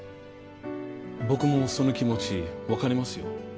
僕もその気持ち分かりますよ。